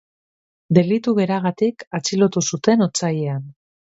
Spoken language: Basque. Delitu beragatik atxilotu zuten otsailean.